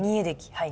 はい。